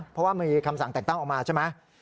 เพราะว่ามีคำสั่งแต่งตั้งออกมาใช่ไหม